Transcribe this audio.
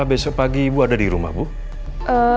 reboot payam nydi rumah ya